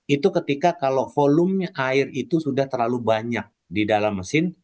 itu ketika kalau volume air itu sudah terlalu banyak di dalam mesin